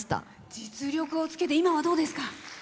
実力をつけて今はどうですか？